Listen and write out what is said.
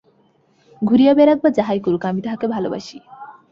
ঘুরিয়া বেড়াক বা যাহাই করুক, আমি তাহাকে ভালবাসি।